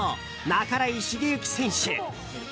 半井重幸選手。